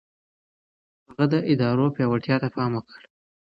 هغه د ادارو پياوړتيا ته پام وکړ.